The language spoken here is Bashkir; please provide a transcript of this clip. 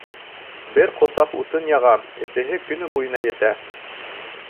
Бер ҡосаҡ утын яғам, эҫеһе көнө буйына етә.